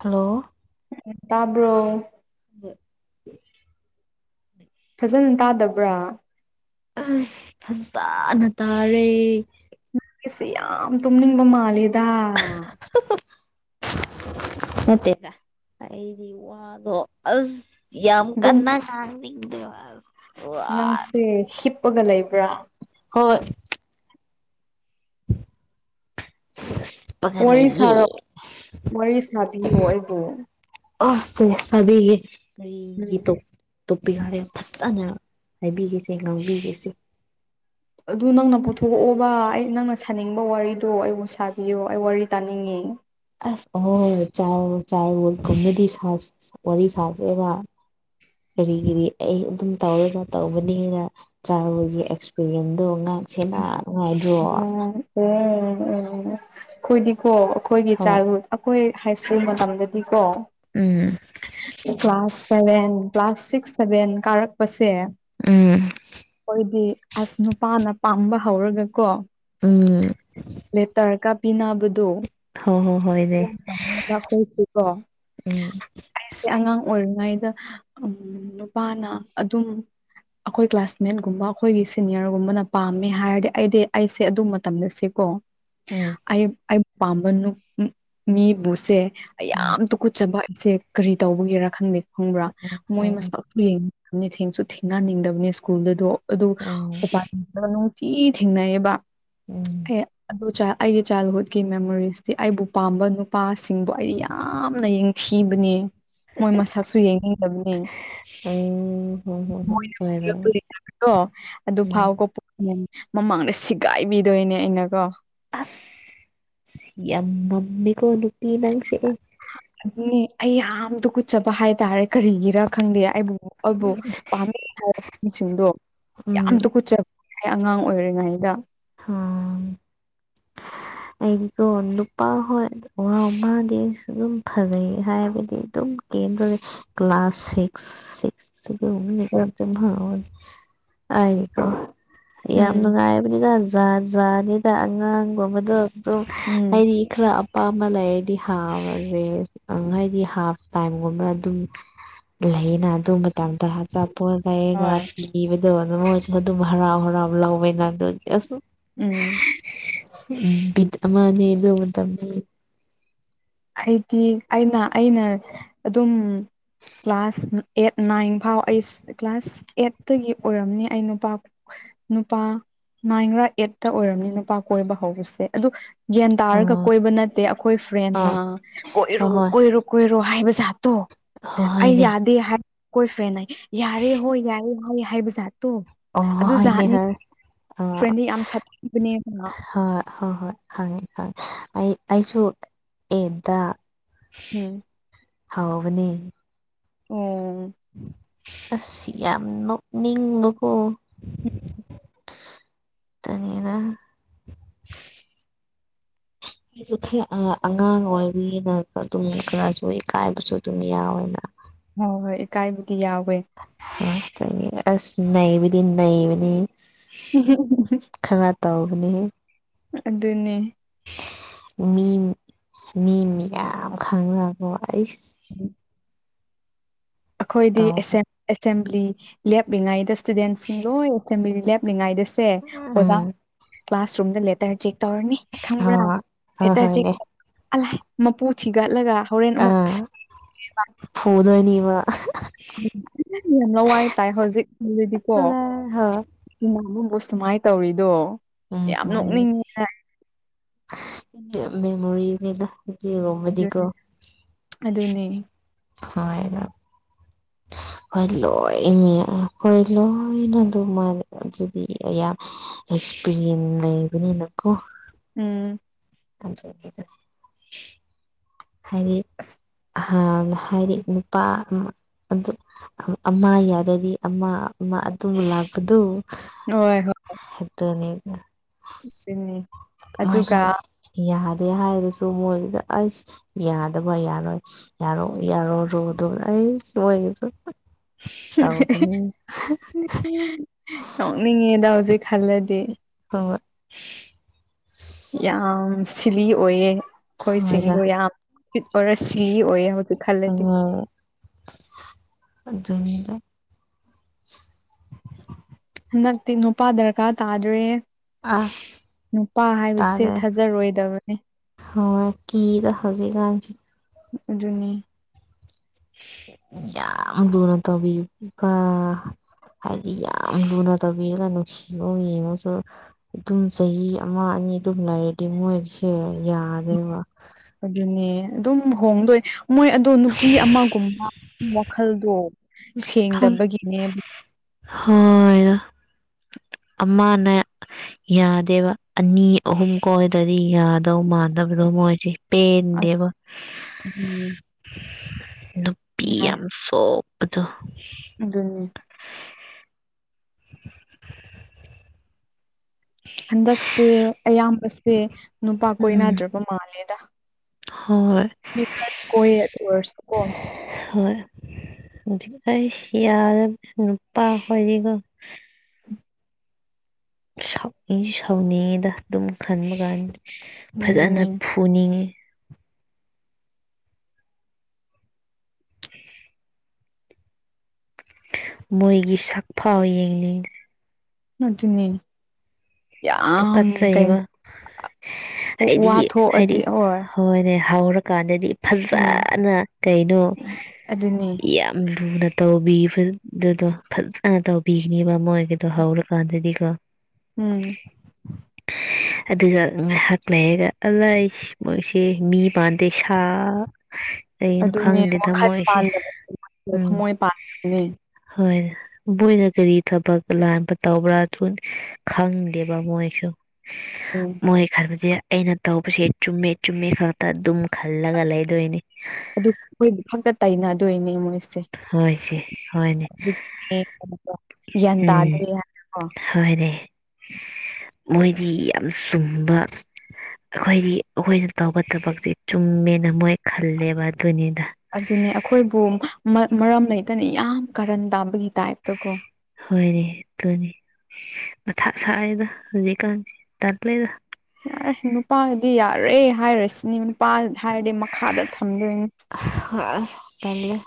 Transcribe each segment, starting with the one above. hello ꯎꯝ ꯇꯥꯕ꯭ꯔꯣ ꯐꯖꯅ ꯇꯥꯗꯕ꯭ꯔꯥ ꯑꯁ ꯐꯖꯅ ꯇꯥꯔꯦ ꯅꯪꯒꯤꯁꯦ ꯌꯥꯝ ꯇꯨꯝꯅꯤꯡꯕ ꯃꯥꯜꯂꯤꯗ ꯅꯠꯇꯦꯗ ꯑꯩꯗꯤ ꯋꯥꯗꯣ ꯑꯁ ꯌꯥꯝ ꯑꯗꯨꯝ ꯀꯟꯅꯥ ꯉꯥꯡꯅꯤꯡꯗꯦꯕ ꯅꯪꯁꯦ ꯍꯤꯞꯄꯒ ꯂꯩꯕ꯭ꯔꯥ ꯍꯣꯏ ꯍꯤꯞꯄꯒꯥ ꯋꯥꯔꯤ ꯂꯩꯌꯦ ꯁꯥꯔꯣ ꯋꯥꯔꯤ ꯁꯥꯕꯤꯌꯣ ꯑꯩꯕꯨ ꯑꯣ ꯁꯦ ꯁꯕꯤꯒꯤ ꯎꯝ [unintelligible] ꯇꯣꯞꯄꯤꯛ ꯍꯥꯏꯌꯣ ꯐꯖꯅ ꯍꯥꯏꯕꯤꯒꯦꯁꯦ ꯉꯥꯡꯕꯤꯒꯦꯁꯦ ꯑꯗꯨ ꯅꯪꯅ ꯄꯨꯊꯣꯛꯑꯣꯕ ꯑꯩ ꯅꯪꯅ ꯁꯥꯅꯤꯡꯕ ꯋꯥꯔꯤꯗꯣ ꯑꯩꯕꯨ ꯁꯥꯕꯤꯌꯣ ꯑꯩ ꯋꯥꯔꯤ ꯇꯥꯅꯤꯡꯉꯦ ꯑꯁ ꯑꯣ ꯆꯥꯏꯍꯨꯠ ꯆꯥꯏꯍꯨꯠ ꯀꯨꯝꯕꯗꯤ ꯁꯥꯁꯤ ꯋꯥꯔꯤ ꯁꯥꯁꯦꯕ ꯀ꯭ꯔꯤ ꯀ꯭ꯔꯤ ꯑꯩ ꯑꯗꯨꯝ ꯇꯧꯔꯒ ꯇꯧꯕꯅꯤꯅ ꯆꯥꯏꯜꯍꯨꯠ ꯑꯦꯛꯁꯄꯤꯔꯤꯌꯦꯟꯗꯣ ꯉꯥꯛꯁꯦꯅ ꯅꯨꯡꯉꯥꯏꯗ꯭ꯔꯣ [unintelligible] ꯑꯩꯈꯣꯏꯗꯤꯀꯣ ꯑꯩꯈꯣꯏꯒꯤ ꯍꯣꯏ ꯆꯥꯏꯜꯍꯨꯠ ꯑꯩꯈꯣꯏ ꯍꯥꯏꯁ꯭ꯀꯨꯜ ꯃꯇꯝꯗꯗꯤꯀꯣ ꯎꯝ class seven class six seven ꯀꯥꯔꯛꯄꯁꯦ ꯎꯝ ꯈꯣꯏꯗꯤ ꯑꯁ ꯅꯨꯄꯥꯅ ꯄꯥꯝꯕ ꯍꯧꯔꯒ ꯀꯣ ꯎꯝ ꯂꯦꯇꯔꯀꯥ ꯄꯤꯅꯕꯗꯨ ꯍꯣ ꯍꯣ ꯍꯣꯏ [unintelligible] ꯎꯝ ꯑꯩꯁꯦ ꯑꯉꯥꯡ ꯑꯣꯏꯔꯤꯉꯩꯗ ꯎꯝ ꯅꯨꯄꯥꯅ ꯑꯗꯨꯝ ꯑꯩꯈꯣꯏ ꯀ꯭ꯂꯥꯁꯃꯦꯠꯒꯨꯝꯕ ꯑꯩꯈꯣꯏꯒꯤ ꯁꯤꯅꯤꯌꯔꯒꯨꯝꯕꯅ ꯄꯥꯝꯃꯦ ꯍꯥꯏꯔꯗꯤ ꯑꯩꯗꯤ ꯑꯩꯁꯦ ꯑꯗꯨ ꯃꯇꯝꯗ ꯁꯦꯀꯣ ꯎꯝ ꯑꯩꯞ ꯑꯩ ꯄꯝꯕ ꯅꯨꯞ ꯃꯤꯕꯨꯁꯦ ꯑꯩ ꯎꯝ ꯌꯥꯝ ꯇꯨꯀꯨꯠꯆꯕ ꯑꯩꯁꯦ ꯀꯔꯤ ꯇꯧꯕꯒꯤꯔꯥ ꯈꯪꯗꯦ ꯈꯪꯕ꯭ꯔꯥ ꯃꯣꯏ ꯑꯣ ꯃꯁꯥꯛ ꯌꯦꯡꯗꯕꯅꯤ ꯊꯦꯡꯁꯨ ꯊꯦꯡꯅꯅꯤꯡꯗꯕꯅꯦ ꯁ꯭ꯀꯨꯜꯗꯗꯣ ꯑꯗꯨ ꯑꯣ ꯎꯄꯥꯏ [unintelligible] ꯇꯤ ꯊꯦꯡꯅꯩꯌꯦꯕ ꯎꯝ ꯑꯩ ꯑꯗꯨ ꯆꯥꯏ ꯑꯩꯒꯤ ꯆꯥꯏꯜꯍꯨꯠꯀꯤ ꯃꯦꯃꯣꯔꯤꯁꯇꯤ ꯑꯩꯕꯨ ꯄꯥꯝꯕ ꯅꯨꯄꯥꯁꯤꯡꯕꯨ ꯑꯩ ꯌꯥꯝꯅ ꯌꯦꯡꯊꯤꯕꯅꯦ ꯃꯣꯏ ꯃꯁꯛꯁꯨ ꯌꯦꯡꯅꯤꯡꯗꯕꯅꯦ ꯑꯣ ꯍꯣ ꯍꯣ ꯍꯣꯏ ꯃꯣꯏꯅ ꯄꯤꯔꯛꯄꯥ ꯍꯣꯏꯔꯣ ꯂꯦꯇꯔꯗꯣ ꯑꯗꯨ ꯎꯝ ꯐꯥꯎꯀꯣ ꯃꯟ ꯃꯃꯥꯡꯗ ꯁꯤꯒꯥꯏꯕꯤꯗꯣꯏꯅꯦ ꯑꯩꯅꯀꯣ ꯑꯁ ꯌꯥꯝ ꯉꯝꯃꯤꯀꯣ ꯅꯨꯄꯤ ꯅꯪꯁꯦ ꯑꯗꯨꯅꯦ ꯑꯩ ꯌꯥꯝ ꯇꯨꯀꯨꯠꯆꯕ ꯍꯥꯏꯇꯥꯔꯦ ꯀꯔꯤꯒꯤꯔ ꯈꯪꯗꯦ ꯑꯩꯕꯨ ꯑꯩꯕꯨ ꯄꯥꯝꯃꯤ ꯍꯥꯏꯕ ꯃꯤꯁꯤꯡꯗꯣ ꯌꯥꯝ ꯎꯝ ꯇꯨꯀꯨꯠꯆꯥ ꯑꯩ ꯑꯉꯥꯡ ꯑꯣꯏꯔꯤꯉꯩꯗ ꯍꯥꯝ [inaudible] ꯑꯩꯗꯤꯀꯣ ꯅꯨꯄꯥ ꯍꯣꯏ ꯋꯥ ꯃꯗꯤ ꯑꯁ ꯑꯗꯨꯝ ꯐꯖꯩ ꯍꯥꯏꯕꯗꯤ ꯑꯗꯨꯝ ꯀꯦꯟꯕꯗꯤ ꯀ꯭ꯂꯥꯁ ꯁꯤꯛꯁ ꯁꯤꯛꯁ [unintelligible] ꯑꯥꯏꯗꯤꯀꯣ ꯌꯥꯝ ꯎꯝ ꯅꯨꯡꯉꯥꯏꯕꯅꯤꯗ ꯖꯥꯠ ꯖꯥꯠꯅꯤꯗ ꯑꯉꯥꯡꯒꯨꯝꯕꯗꯣ ꯇꯣ ꯎꯝ ꯑꯩꯗꯤ ꯈꯔ ꯑꯄꯥꯝꯕ ꯂꯩꯔꯗꯤ ꯍꯥꯕꯔꯦ ꯑꯪ ꯍꯥꯏꯗꯤ ꯍꯥꯞ ꯇꯥꯏꯝꯒꯨꯝꯕ ꯑꯗꯨꯝ ꯂꯩꯌꯦꯅ ꯑꯗꯨ ꯃꯇꯝꯗ ꯑꯆꯥꯄꯣꯠ ꯂꯩꯔꯒ ꯍꯣꯏ ꯄꯤꯕꯗꯣ ꯑꯗꯨ ꯃꯣꯏꯁꯨ ꯑꯗꯨꯝ ꯍꯔꯥꯎ ꯍꯔꯥꯎ ꯂꯧꯋꯦꯅ ꯑꯗꯨꯒꯤ ꯑꯁꯨꯝ ꯎꯝ ꯎꯝ ꯕꯤꯠ ꯑꯃꯅꯦ ꯑꯗꯨ ꯃꯇꯝꯗꯤ ꯑꯩꯗꯤ ꯑꯩꯅ ꯑꯩꯅ ꯑꯗꯨꯝ ꯀ꯭ꯂꯥꯁ ꯅ ꯑꯦꯠ ꯅꯥꯏꯟ ꯐꯥꯎ ꯑꯩꯁ ꯀ꯭ꯂꯥꯁ ꯑꯦꯠꯇꯒꯤ ꯑꯣꯏꯔꯝꯅꯤ ꯑꯩ ꯅꯨꯄꯥ ꯅꯨꯄꯥ ꯅꯥꯏꯟꯔꯥ ꯑꯩꯠꯇ ꯑꯣꯏꯔꯝꯅꯤ ꯅꯨꯄꯥ ꯀꯣꯏꯕ ꯍꯧꯕꯁꯦ ꯑꯗꯨ ꯒ꯭ꯌꯥꯟ ꯇꯥꯔꯒ ꯑꯥ ꯀꯣꯏꯕ ꯅꯠꯇꯦ ꯑꯈꯣ ꯈꯣꯏ ꯐ꯭ꯔꯦꯟ ꯅ ꯑꯥ ꯀꯣꯏꯔꯣ ꯍꯣꯏ ꯍꯣꯏ ꯀꯣꯏꯔꯣ ꯀꯣꯏꯔꯣ ꯍꯥꯏꯕꯖꯥꯠꯇꯣ ꯍꯣꯏ ꯑꯩ ꯍꯣꯏꯅꯦ ꯌꯥꯗꯦ ꯍꯥꯏ ꯀꯣꯏ ꯐ꯭ꯔꯦꯟꯅ ꯌꯥꯔꯦ ꯍꯣꯏ ꯌꯥꯔꯦ ꯍꯣꯏ ꯍꯥꯏꯕꯖꯥꯠꯇꯣ ꯑꯣ ꯍꯣꯏꯅꯦ ꯍꯣꯏ ꯑꯣ ꯐ꯭ꯔꯦꯟꯗꯤ ꯌꯥꯝ ꯁꯥꯊꯤꯕꯅꯦꯕ ꯍꯣꯏ ꯍꯣꯏ ꯍꯣꯏ ꯈꯪꯉꯦ ꯈꯪꯉꯦ ꯑꯩ ꯑꯩꯁꯨ ꯑꯦꯠꯇ ꯎꯝ ꯍꯥꯎꯕꯅꯦ ꯑꯣ ꯑꯁ ꯌꯥꯝ ꯅꯣꯛꯅꯤꯡꯕꯀꯣ [inaudible] ꯇꯅꯦꯅ ꯑꯩꯖꯨ ꯈꯔ ꯑꯉꯥ ꯑꯉꯥꯡ ꯑꯣꯏꯕꯒꯤꯅ ꯑꯗꯨꯝ ꯈꯔꯁꯨ ꯏꯀꯥꯏꯕꯁꯨ ꯑꯗꯨꯝ ꯌꯥꯎꯋꯦꯕ ꯍꯣ ꯍꯣꯏ ꯏꯀꯥꯏꯕꯗꯤ ꯌꯥꯎꯋꯦ ꯉꯛꯇꯅꯦ ꯑꯁ ꯅꯩꯕꯗꯤ ꯅꯩꯕꯅꯤ [unintelligible] ꯈꯔ ꯇꯧꯕꯅꯤ ꯑꯗꯨꯅꯦ ꯃꯤ ꯃꯤ ꯃꯌꯥꯝ ꯈꯪꯔꯕꯣ ꯑꯩꯁ ꯎꯝ [inaudible] ꯑꯩꯈꯣꯏꯗꯤ ꯇꯧꯕꯅꯦ ꯑꯦꯁꯦꯝꯕ꯭ꯂꯤ ꯂꯦꯞꯂꯤꯉꯩꯗ ꯏꯁꯇꯨꯗꯦꯟꯁꯤꯡ ꯂꯣꯏ ꯁꯦꯝꯕ꯭ꯂꯤ ꯂꯦꯞꯂꯤꯉꯩꯗꯁꯦ ꯑꯣꯖꯥ ꯎꯝ ꯀ꯭ꯂꯥꯁꯔꯨꯝꯗ ꯂꯦꯇꯔ ꯆꯦꯛ ꯇꯧꯔꯅꯤ ꯈꯪꯕ꯭ꯔꯥ ꯍꯣꯏ ꯍꯣꯏ ꯂꯦꯇꯔ ꯆꯦꯛ ꯍꯣꯏꯅꯦ ꯇꯧꯕ ꯑꯂꯥꯏ ꯃꯄꯨ ꯊꯤꯒꯠꯂꯒ ꯍꯣꯔꯦꯟ ꯑꯃꯨꯛ ꯑꯥ ꯐꯨꯗꯣꯏꯅꯤꯕ ꯌꯥꯝ ꯂꯥꯋꯥꯏ ꯇꯥꯏ ꯍꯧꯖꯤꯛꯗꯤꯀꯣ ꯍꯣꯏ ꯏꯃ ꯑꯃꯕꯨ ꯁꯨꯃꯥꯏꯅ ꯇꯧꯔꯤꯗꯣ ꯎꯝ ꯌꯥꯝ ꯍꯣꯏꯅꯦ ꯅꯣꯛꯅꯤꯡꯉꯦ ꯃꯦꯝ ꯃꯦꯃꯣꯔꯤꯅꯤꯗ ꯎꯗꯤꯒꯨꯝꯕꯗꯤꯀꯣ ꯑꯗꯨꯅꯤ ꯍꯥꯎꯋꯦꯗ ꯑꯩꯈꯣꯏ ꯂꯣꯏꯃꯦ ꯑꯩꯈꯣꯏ ꯂꯣꯏꯅ ꯑꯗꯨ ꯑꯗꯨꯗꯤ ꯑꯌꯥ ꯑꯦꯛꯁꯄꯤꯔꯤꯌꯦꯟ ꯂꯩꯕꯅꯤꯅꯀꯣ ꯎꯝ ꯑꯗꯨꯒꯤꯗꯣ ꯍꯥꯏꯔꯤ ꯑꯁ ꯑ ꯍꯥꯏꯔꯤ ꯅꯨꯄꯥ ꯑꯗꯨ ꯑꯃ ꯌꯥꯔꯗꯤ ꯑꯃ ꯑꯃ ꯑꯗꯨꯝ ꯂꯥꯛꯄꯗꯣ ꯍꯣꯏ ꯍꯣꯏ ꯑꯗꯨꯅꯤꯗ ꯑꯗꯨꯅꯤ ꯃꯣꯏꯁꯨ ꯑꯗꯨꯒ ꯌꯥꯗꯦ ꯍꯥꯏꯔꯁꯨ ꯃꯣꯏꯗ ꯑꯁ ꯌꯥꯗꯕ ꯌꯥꯔꯣꯏ ꯌꯥꯔꯣ ꯌꯥꯔꯣ ꯔꯨꯗꯣ ꯑꯩ ꯃꯣꯏꯒꯤꯗꯣ ꯇꯧꯕꯅꯤ ꯅꯣꯛꯅꯤꯡꯉꯦꯗ ꯍꯧꯖꯤꯛ ꯈꯜꯂꯗꯤ ꯍꯣ ꯍꯣ ꯌꯥꯝ ꯁꯤꯂꯤ ꯑꯣꯏꯌꯦ ꯍꯣꯏꯗ ꯈꯣꯏꯁꯤꯡꯗꯣ ꯌꯥꯝ ꯐꯤꯠ ꯑꯣꯏꯔ ꯁꯤꯂꯤ ꯑꯣꯏꯌꯦ ꯍꯧꯖꯤꯛ ꯈꯜꯂꯗꯤ ꯑꯉꯥꯡ ꯑꯗꯨꯅꯤꯗ ꯍꯟꯗꯛꯇꯤ ꯅꯨꯄꯥ ꯗꯔꯀꯥꯔ ꯇꯥꯗ꯭ꯔꯦ ꯑꯥ ꯅꯨꯄꯥ ꯍꯥꯏꯕꯁꯦ ꯊꯥꯖꯔꯣꯏꯗꯕꯅꯦ ꯍꯣꯏ ꯀꯤꯗ ꯍꯧꯖꯤꯛꯀꯥꯟꯁꯤ ꯑꯗꯨꯅꯤ [inaudible] ꯌꯥꯝ ꯂꯨꯅ ꯇꯧꯕꯤꯕ ꯍꯥꯏꯗꯤ ꯌꯥꯝ ꯂꯨꯅ ꯇꯧꯕꯤꯔꯒ ꯅꯨꯡꯁꯤꯕ ꯌꯦꯡꯉꯨꯁꯨ ꯑꯗꯨꯝ ꯆꯍꯤ ꯑꯃ ꯑꯅꯤ ꯑꯗꯨꯝ ꯂꯩꯔꯗꯤ ꯃꯣꯏꯁꯦ ꯌꯥꯗꯦꯕ ꯑꯗꯨꯅꯦ ꯑꯗꯨꯝ ꯍꯣꯡꯗꯣꯏ ꯃꯣꯏ ꯑꯗꯣ ꯅꯨꯄꯤ ꯑꯃꯒꯨꯝꯕ ꯋꯥꯈꯜꯗꯣ ꯁꯦꯡꯗꯕꯒꯤꯅꯦ ꯍꯣꯏꯅ ꯑꯃꯅꯦ ꯌꯥꯗꯦꯕ ꯑꯅꯤ ꯑꯍꯨꯝ ꯀꯣꯢꯗꯗꯤ ꯌꯥꯗꯧ ꯃꯥꯟꯗꯕꯗꯣ ꯃꯣꯏꯖꯦ ꯄꯦꯟꯗꯦꯕ ꯎꯝ ꯅꯨꯄꯤ ꯌꯥꯏ ꯌꯥꯝ ꯆꯣꯞ ꯄꯗꯣ ꯑꯗꯨꯅꯤ ꯍꯟꯗꯛꯁꯦ ꯑꯌꯥꯝꯕꯁꯦ ꯅꯨꯄꯥ ꯎꯝ ꯀꯣꯏꯅꯗ꯭ꯔꯕ ꯃꯥꯜꯂꯦꯗ ꯍꯣꯏ ꯃꯤ ꯈ꯭ꯔꯗꯤ ꯀꯣꯏ ꯑꯗꯨꯑꯣꯢꯔꯁꯨ ꯀꯣ [unintelligible] ꯌꯥꯗ ꯅꯨꯄꯥ ꯍꯣꯢꯗꯤꯀꯣ ꯁꯥꯎꯗꯤ ꯁꯥꯎꯅꯤꯡꯉꯤꯗ ꯑꯗꯨꯝ ꯈꯟꯕ ꯒꯥꯟꯗ ꯐꯖꯅ ꯑꯗꯨꯅꯦ ꯐꯨꯅꯤꯡꯉꯤ [inaudible] ꯃꯣꯏꯒꯤ ꯁꯛꯐꯥꯎ ꯌꯦꯡꯅꯤꯡꯗꯦ ꯑꯗꯨꯅꯦ ꯌꯥꯝ ꯀꯩꯟ ꯇꯨꯀꯠꯆꯩꯕ [unintelligible] ꯍꯥꯏꯗꯤ ꯍꯥꯏꯗꯤ ꯋꯥꯊꯣꯛꯑꯗꯤ ꯍꯣꯏ ꯍꯣꯏꯅꯦ ꯍꯧꯔꯀꯥꯟꯗꯗꯤ ꯎꯝ ꯐꯖꯥꯅ ꯀꯩꯅꯣ ꯑꯗꯨꯅꯤ ꯌꯥꯝ ꯂꯨꯅ ꯇꯧꯕꯤꯕꯗꯨꯗꯣ ꯐꯖꯅ ꯇꯧꯕꯤꯒꯅꯤꯕ ꯃꯣꯏꯒꯤꯗꯣ ꯍꯧꯔꯀꯥꯟꯗꯗꯤꯀꯣ ꯎꯝ ꯑꯗꯨꯒ ꯉꯥꯏꯍꯥꯛ ꯂꯩꯔꯒ [unintelligible] [unintelligible] ꯁꯦ ꯃꯤ ꯃꯥꯟꯗꯦ ꯁꯥ ꯀꯩꯅꯣ ꯑꯗꯨꯅꯦ ꯈꯪꯗꯦꯗ ꯋꯥꯈꯜ ꯃꯣꯏꯁꯦ ꯄꯥꯟꯗꯕ ꯎꯝ ꯊꯃꯣꯏ ꯄꯥꯟꯗꯕꯅꯦ ꯍꯣꯏ ꯃꯣꯏꯅ ꯀꯔꯤ ꯊꯕꯛ ꯑꯂꯥꯟꯕ ꯇꯧꯕ꯭ꯔꯥ ꯑꯗꯨ ꯈꯪ ꯗꯦꯕ ꯃꯣꯏꯁꯨ ꯎꯝ ꯃꯣꯏ ꯈꯟꯕꯗꯤ ꯑꯩꯅ ꯇꯧꯕꯁꯦ ꯆꯨꯝꯃꯦ ꯆꯨꯝꯃꯦ ꯈꯛꯇ ꯑꯗꯨꯝ ꯈꯜꯂꯒ ꯂꯩꯗꯣꯏꯅꯤ ꯑꯗꯨ ꯃꯣꯏꯗꯨ ꯈꯛꯇ ꯇꯩꯅꯗꯣꯏꯅꯦ ꯃꯣꯏꯁꯦ ꯍꯣꯏꯁꯦ ꯍꯣꯏꯅꯦ [unintelligible] ꯒ꯭ꯌꯥꯟ ꯎꯝ ꯇꯗ꯭ꯔꯤ ꯍꯣꯏꯅꯦ ꯃꯣꯏꯗꯤ ꯌꯥꯝ ꯆꯨꯝꯕ ꯑꯈꯣꯏꯗꯤ ꯑꯈꯣꯏꯅ ꯇꯧꯕ ꯊꯕꯛꯁꯦ ꯆꯨꯝꯃꯦꯅ ꯃꯣꯏ ꯈꯜꯂꯦꯕ ꯑꯗꯨꯅꯤꯗ ꯈꯣꯏꯕꯨ ꯃ ꯃꯔꯝ ꯂꯩꯇꯅ ꯌꯥꯝ ꯀꯥꯔꯟ ꯇꯥꯕꯒꯤ ꯇꯥꯏꯞꯇ ꯀꯣ ꯍꯣꯏꯅꯦ ꯑꯗꯨꯅꯤ ꯃꯊꯥ ꯁꯥꯢꯗ ꯍꯧꯖꯤꯛꯀꯥꯟꯗꯤ ꯇꯂꯦꯗ ꯌꯥꯔꯦ ꯅꯨꯄꯥꯒꯗꯤ ꯌꯥꯔꯦ ꯍꯥꯏꯔꯁꯤꯅꯤ ꯅꯨꯄꯥ ꯍꯥꯏꯔꯗꯤ ꯃꯈꯥꯗ ꯊꯝꯗꯣꯏꯅꯤ [unintelligible] ꯇꯜꯂꯦ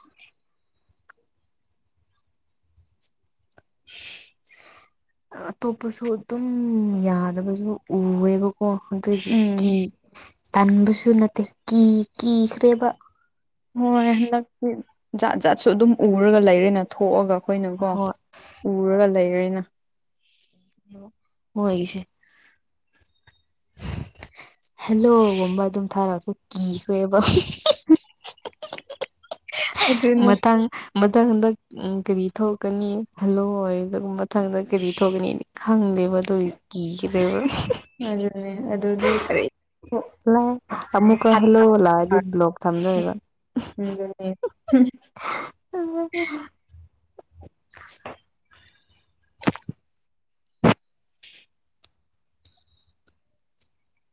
[unintelligible] ꯑꯇꯣꯞꯄꯁꯨ ꯑꯗꯨꯝ ꯌꯥꯗꯕꯁꯨ ꯎꯋꯦꯕ ꯀꯣ ꯑꯗꯨꯒꯤ ꯎꯝ ꯀꯤ ꯇꯟꯕꯁꯨ ꯅꯠꯇꯦ ꯀꯤ ꯀꯤꯈ꯭ꯔꯦꯕ ꯍꯣꯏ ꯍꯟꯗꯛꯇꯤ ꯖꯥꯠ ꯖꯥꯠꯁꯨ ꯑꯗꯨꯝ ꯎꯔꯒ ꯂꯩꯔꯦꯅ ꯊꯣꯛꯑꯒ ꯑꯈꯣꯏꯅꯀꯣ ꯍꯣꯏ ꯎꯔꯒ ꯂꯩꯔꯦꯅ [unintelligible] ꯃꯣꯏꯒꯤꯁꯦ ꯍꯦꯂꯣꯒꯨꯝꯕ ꯑꯗꯨꯝ ꯊꯥꯔꯛꯑꯁꯨ ꯀꯤꯈ꯭ꯔꯦꯕ [unintelligible] [unintelligible] ꯃꯇꯪ ꯃꯊꯪ ꯗ ꯎꯡ ꯀꯔꯤ ꯊꯣꯛꯀꯅꯤ ꯍꯜꯂꯣ ꯑꯣꯏꯔꯒ ꯃꯊꯪꯗ ꯀꯔꯤ ꯊꯣꯛꯒꯅꯤ ꯈꯪꯗꯦꯕ ꯑꯗꯨꯒꯤ ꯀꯤꯈ꯭ꯔꯦꯕ [unintelligible] ꯑꯗꯨꯅꯦ ꯑꯗꯨꯗꯤ ꯀꯔꯤ [unintelligible] ꯑꯃꯨꯛꯀ ꯍꯜꯂꯣ ꯂꯥꯛꯑꯗꯤ ꯕ꯭ꯂꯣꯛ ꯊꯝꯗꯣꯏꯕ [unintelligible] ꯎꯝ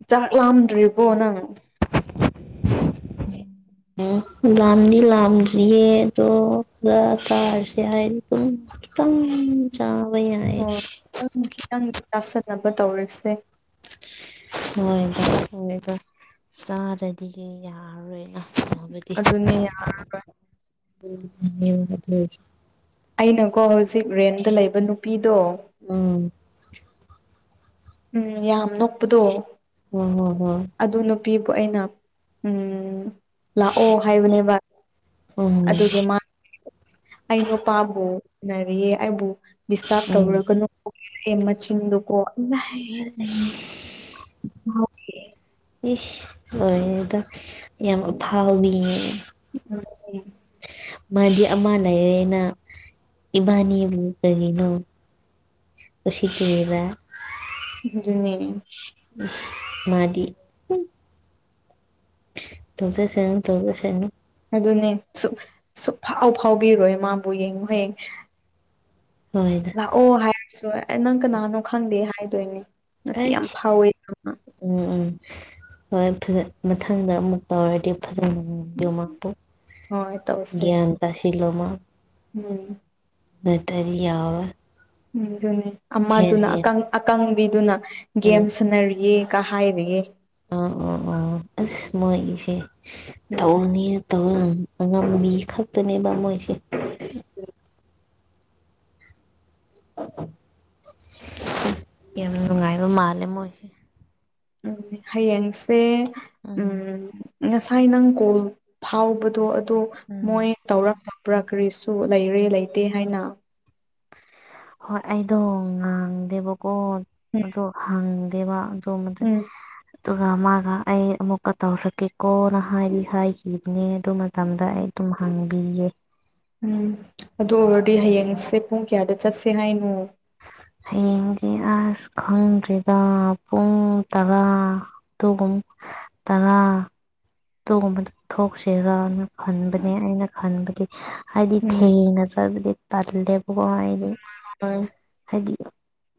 ꯆꯥꯛ ꯂꯥꯝꯗ꯭ꯔꯤꯕꯣ ꯅꯪ [unintelligible] ꯂꯥꯝꯗꯤ ꯂꯥꯝꯗ꯭ꯔꯤꯌꯦ ꯑꯗꯣ ꯈ꯭ꯔ ꯆꯥꯔꯁꯤ ꯍꯥꯏ ꯗꯨꯝ ꯈꯤꯇꯪ ꯆꯥꯕ ꯌꯥꯏ ꯑꯣ ꯈꯤꯇꯪ ꯈꯤꯇꯪ [unintelligible] ꯆꯥꯁꯟꯅꯕ ꯇꯧꯔꯁꯦ [unintelligible] ꯍꯣꯏꯗꯥ ꯍꯣꯏꯗ ꯆꯥꯗ꯭ꯔꯗꯤ ꯌꯥꯔꯣꯏꯅ ꯆꯥꯕꯗꯤ ꯑꯗꯨꯅꯦ [unintelligible] ꯑꯩꯅꯀꯣ ꯍꯨꯖꯤꯛ ꯔꯦꯟꯗ ꯂꯩꯕ ꯅꯨꯄꯤꯗꯣ ꯎꯝ ꯎꯝ ꯌꯥꯝ ꯅꯣꯛꯄꯗꯣ [unintelligible] ꯑꯗꯨ ꯅꯨꯄꯤꯕꯨ ꯑꯩꯅ ꯎꯝ ꯂꯥꯛꯑꯣ ꯍꯥꯏꯕꯅꯦꯕ ꯎꯝ ꯑꯗꯨꯒꯤ ꯃꯥ ꯑꯩ ꯅꯨꯄꯥꯕꯨ ꯎꯅꯔꯤꯌꯦ ꯑꯕꯨ ꯗꯤꯁꯇꯥꯔꯕ ꯎꯝ ꯇꯧꯔꯛꯀꯅꯨ [unintelligible] ꯃꯆꯤꯟꯗꯣꯀꯣ ꯏꯃꯥꯏ [unintelligible] [unintelligible] ꯏꯁ ꯂꯣꯏꯔꯦꯗ ꯌꯥꯝ ꯑꯐꯥꯎꯕꯤ [unintelligible] ꯃꯥꯗꯤ ꯑꯃ ꯂꯩꯔꯦꯅ ꯏꯕꯥꯅꯤꯕꯨ ꯀꯔꯤꯅꯣ [unintelligible] ꯁꯤ ꯀꯩꯔꯥ ꯗꯨꯅꯦ ꯏꯁ ꯃꯥꯗꯤ ꯇꯧꯖꯁꯅꯨ ꯇꯧꯖꯁꯅꯨ ꯑꯗꯨꯅꯦ ꯁꯨꯛ ꯁꯨꯛꯐꯥꯎ ꯐꯥꯎꯕꯤꯔꯣꯏ ꯃꯥꯕꯨ ꯌꯦꯡꯉꯨꯍꯦ ꯍꯣꯏꯗ ꯂꯥꯛꯑꯣ ꯍꯥꯏꯔꯁꯨ ꯑ ꯅꯪ ꯀꯅꯥꯅꯣ ꯈꯪꯗꯦ ꯍꯥꯏꯗꯣꯏꯅꯦ ꯝꯁꯤ ꯌꯥꯝ ꯑꯩꯁ ꯐꯥꯎꯋꯦ [unintelligible] ꯎꯝ ꯎꯝ ꯍꯣꯏ ꯐꯖ ꯃꯊꯪꯗ ꯑꯃꯨꯛ ꯇꯧꯔꯗꯤ [unintelligible] ꯌꯣꯃꯛꯄꯨ ꯍꯣꯏ ꯇꯧꯁꯦ ꯒ꯭ꯌꯥꯟ ꯇꯥꯁꯤꯜꯂꯣ ꯃꯥ ꯎꯝ ꯅꯠꯇꯔꯤ ꯌꯥꯎꯔꯣꯏ ꯎꯝ ꯗꯨꯅꯤ ꯑꯃꯗꯨꯅ ꯍꯦꯟꯅ ꯑꯀꯪ ꯑꯀꯪꯕꯤꯗꯨꯅ ꯒꯦꯝ ꯎꯝ ꯁꯟꯅꯔꯤꯌꯦ ꯀꯥ ꯍꯥꯏꯔꯤꯌꯦ ꯑ ꯑ ꯑ ꯑꯁ ꯃꯣꯏ ꯏꯁꯦ ꯎꯝ ꯇꯧꯅꯤꯅ ꯇꯧ ꯉꯝ ꯑꯉꯝꯕꯤ ꯈꯛꯇꯅꯦꯕ ꯃꯣꯏꯁꯦ ꯌꯥꯝ ꯅꯨꯉꯥꯏꯕ ꯃꯥꯜꯂꯦ ꯃꯣꯏꯁꯦ [unintelligible] ꯍꯌꯦꯡꯁꯦ ꯎꯝ ꯉꯁꯥꯏ ꯅꯪ ꯀꯣꯜ ꯐꯥꯎꯕꯗꯣ ꯑꯗꯣ ꯎꯝ ꯃꯣꯏ ꯇꯧꯔꯛꯄ ꯄ꯭ꯔꯥ ꯀ꯭ꯔꯤꯁꯨ ꯂꯩꯔꯦ ꯂꯩꯇꯦ ꯍꯥꯏꯅ ꯍꯣꯏ ꯑꯩꯗꯣ ꯉꯥꯡꯗꯦꯕꯀꯣ ꯎꯝ ꯑꯗꯣ ꯍꯥꯡꯗꯦꯕ ꯎꯝ [unintelligible] ꯗꯨꯒ ꯃꯥꯒ ꯑꯩ ꯑꯃꯨꯛꯀ ꯇꯧꯔꯛꯀꯦꯀꯣꯅ ꯍꯥꯏꯗꯤ ꯍꯥꯏꯈꯤꯕꯅꯦ ꯑꯗꯨ ꯃꯇꯝꯗ ꯑꯩ ꯗꯨꯝ ꯍꯥꯡꯕꯤꯌꯦ ꯎꯝ ꯑꯗꯨ ꯑꯣꯔꯗꯤ ꯍꯌꯦꯡꯁꯦ ꯄꯨꯡ ꯀꯌꯥꯗ ꯆꯠꯁꯦ ꯍꯥꯏꯅꯣ ꯍꯌꯦꯡꯗꯤ ꯑꯥꯁ ꯈꯪꯗ꯭ꯔꯤꯗ ꯄꯨꯡ ꯇꯔꯥ [unintelligible] ꯇꯔꯥ ꯗꯨꯒꯨꯝꯕꯗꯨ ꯊꯣꯛꯁꯤꯔꯅ ꯈꯟꯕꯅꯦ ꯑꯩꯅ ꯈꯟꯕꯗꯤ ꯍꯥꯏꯗꯤ ꯎꯝ ꯊꯦꯡꯅ ꯆꯕꯗꯤ ꯇꯜꯂꯦꯕꯀꯣ ꯍꯥꯏꯗꯤ [unintelligible] ꯍꯗꯤ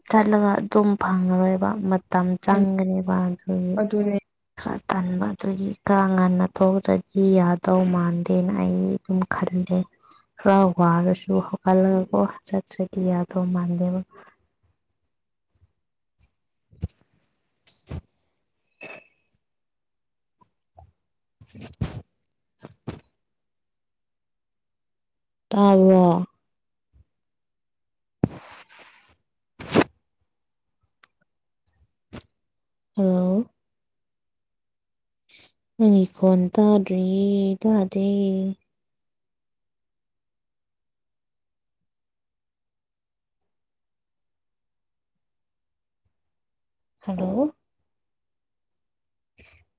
ꯆꯠꯂꯒ ꯑꯗꯨꯝ ꯐꯪꯉꯔꯣꯏꯕ ꯃꯠ ꯇꯝ ꯎꯝ ꯆꯪꯒꯅꯦꯕ ꯑꯗꯨꯒꯤ ꯑꯗꯨꯅꯦ ꯈꯔ ꯇꯟꯕ ꯑꯗꯨꯒꯤ ꯈ ꯉꯟꯅ ꯊꯣꯛꯇꯗꯤ ꯌꯥꯗꯧ ꯃꯥꯟꯗꯦꯅ ꯑꯩ ꯗꯨꯝ ꯈꯜꯂꯦ ꯈꯔ ꯋꯥꯔꯁꯨ ꯍꯧꯒꯠꯂꯒꯀꯣ ꯆꯠꯇ꯭ꯔꯗꯤ ꯌꯥꯗꯧ ꯃꯥꯟꯗꯦꯕ [inaudible] [unintelligible] ꯇꯥꯕ꯭ꯔꯣ [inaudible] ꯍꯜꯂꯣ ꯅꯪꯒꯤ ꯈꯣꯟ ꯇꯥꯗ꯭ꯔꯤꯌꯦ ꯇꯥꯗꯦ ꯍꯜꯂꯣ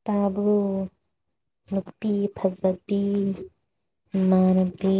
ꯇꯥꯕ꯭ꯔꯣ ꯅꯨꯄꯤ ꯐꯖꯕꯤ ꯏꯃꯥꯟꯅꯕꯤ